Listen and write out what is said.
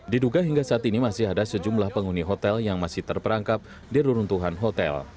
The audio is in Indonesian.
diduga hingga saat ini masih ada sejumlah penghuni hotel yang masih terperangkap di reruntuhan hotel